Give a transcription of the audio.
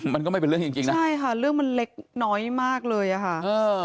มันก็ไม่เป็นเรื่องจริงจริงนะใช่ค่ะเรื่องมันเล็กน้อยมากเลยอ่ะค่ะเออ